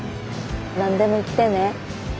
何でも言ってね。